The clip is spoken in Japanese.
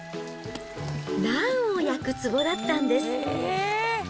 ナンを焼くつぼだったんです。